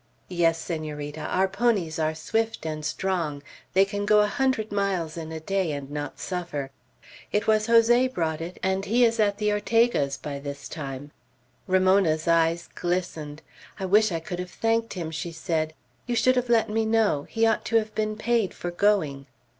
"Yes, Senorita. Our ponies are swift and strong. They can go a hundred miles in a day, and not suffer. It was Jose brought it, and he is at the Ortega's by this time." Ramona's eyes glistened. "I wish I could have thanked him," she said. "You should have let me know. He ought to have been paid for going."